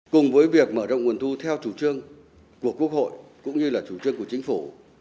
cùng với việc mở rộng nguồn thu theo chủ trương của quốc hội cũng như là chủ trương của chính phủ